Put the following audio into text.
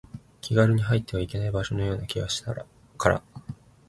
気軽に入ってはいけない場所のような気がしたから